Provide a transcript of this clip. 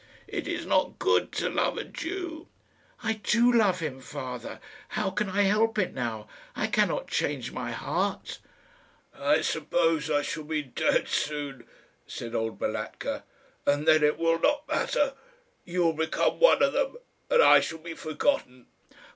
"It is not good to love a Jew." "I do love him, father. How can I help it now? I cannot change my heart." "I suppose I shall be dead soon," said old Balatka, "and then it will not matter. You will become one of them, and I shall be forgotten."